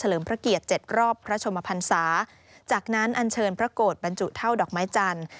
ลิมพระเกียรติเจ็ดรอบพระชมพันศาจากนั้นอันเชิญพระโกรธบรรจุเท่าดอกไม้จันทร์